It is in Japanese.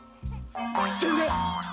全然。